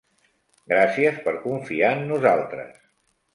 Gràcies per confiar en nosaltres!